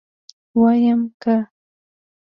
ويم که.